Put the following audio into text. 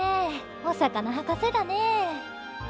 お魚博士だね。